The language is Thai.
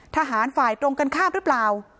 ทหารฝ่ายตรงกันข้ามหรือเปล่า